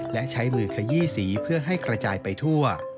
และใช้มือขยี้สีเพื่อให้กระจายไปทั่ว